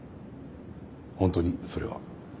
本当にそれは。